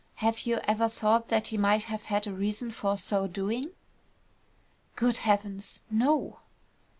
Have you ever thought that he might have had a reason for so doing?" "Good heavens! No!"